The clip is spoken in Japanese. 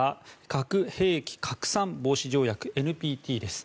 核兵器拡散防止条約・ＮＰＴです。